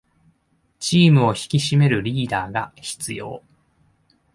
チームを引き締めるリーダーが必要